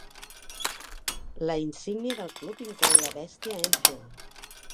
La insígnia del club inclou la bèstia Enfield.